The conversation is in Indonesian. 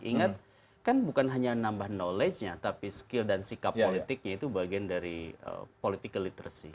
ingat kan bukan hanya nambah knowledge nya tapi skill dan sikap politiknya itu bagian dari political literacy